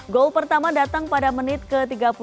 goal pertama datang pada menit ke tiga puluh sembilan